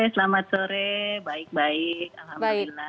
selamat sore baik baik